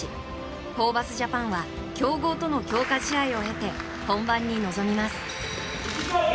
ホーバスジャパンは強豪との強化試合を経て本番に臨みます。